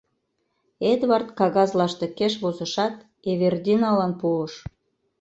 Эдвард кагаз лаштыкеш возышат, Эвердиналан пуыш.